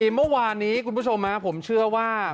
เมื่อวานนี้คุณผู้ชมผมเชื่อว่า